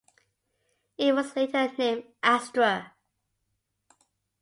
It was later named Astra.